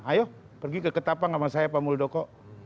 ayo pergi ke ketapang sama saya pak muldoko